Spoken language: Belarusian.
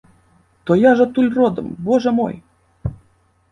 То я ж адтуль родам, божа мой!